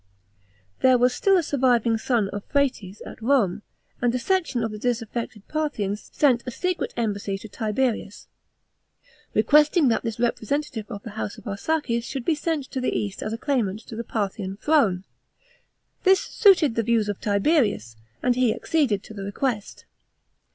There was still a surviving son of Phraates at Rome ; and a section of the disaffected Parthians sent a secret embassy to Tiberius, requesting that this representative of the house of Arsaces should be sent to the east as a claimant to the Parthian throne. This suited the views of Tiberius, and he acceded to the request.